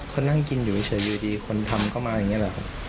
เขานั่งกินอยู่เฉยอยู่ดีคนทำเข้ามาอย่างนี้แหละครับ